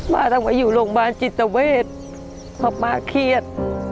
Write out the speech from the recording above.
ปลาต้องไปอยู่โรงบาลจิตเศรษฐ์เพราะปลาเครียด